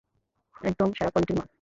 একদম সেরা কোয়ালিটির মাল।